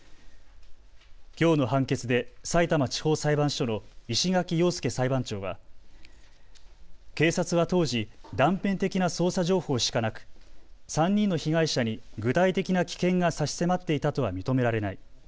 きょうの判決でさいたま地方裁判所の石垣陽介裁判長は警察は当時、断片的な捜査情報しかなく３人の被害者に具体的な危険が差し迫っていたとは認められない。